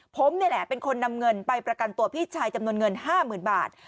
ผมนี่แหละเป็นคนนำเงินไปประกันตัวพี่ชายจำนวนเงิน๕๐๐๐บาท